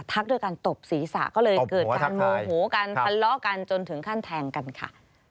ด้วยการตบศีรษะก็เลยเกิดการโมโหกันทะเลาะกันจนถึงขั้นแทงกันค่ะ